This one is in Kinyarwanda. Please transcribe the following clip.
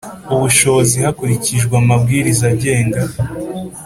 Ubushobozi hakurikijwe amabwiriza agenga